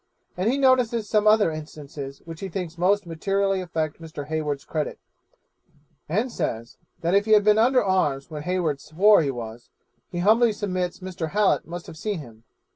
And he notices some other instances which he thinks most materially affect Mr. Hayward's credit; and says, that if he had been under arms when Hayward swore he was, he humbly submits Mr. Hallet must have seen him.